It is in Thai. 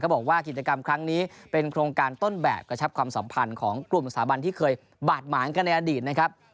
บอกว่ากิจกรรมครั้งนี้เป็นโครงการต้นแบบกระชับความสัมพันธ์ของกลุ่มสถาบันที่เคยบาดหมางกันในอดีตนะครับ